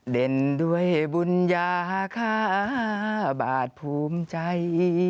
เด่นด้วยบุญญาค่าบาทภูมิใจ